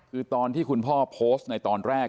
คือตอนที่คุณพ่อโพสต์ในตอนแรก